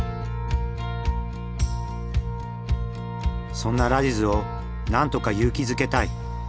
そんなラジズを何とか勇気づけたい。